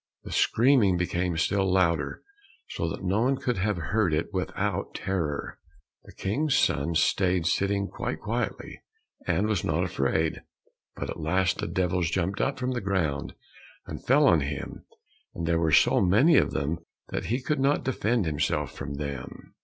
The screaming became still louder, so that no one could have heard it without terror. The King's son stayed sitting quite quietly, and was not afraid; but at last the devils jumped up from the ground, and fell on him, and there were so many of them that he could not defend himself from them.